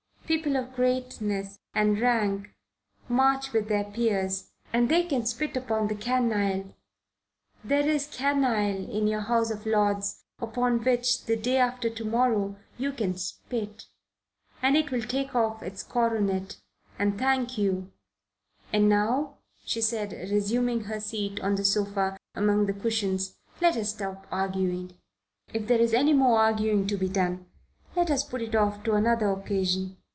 People of greatness and rank march with their peers, and they can spit upon the canaille. There is canaille in your House of Lords, upon which, the day after to morrow, you can spit, and it will take off its coronet and thank you and now," she said, resuming her seat on the sofa, among the cushions, "let us stop arguing. If there is any more arguing to be done, let us put it off to another occasion.